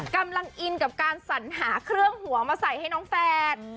กำลังอินกับการสัญหาเครื่องหัวมาใส่ให้น้องแฝด